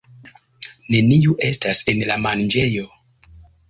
Neniu estas en la manĝejo.